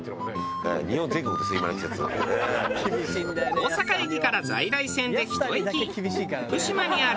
大阪駅から在来線で１駅。